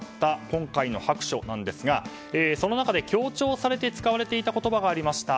今回の白書ですがその中で強調されて使われていた言葉がありました。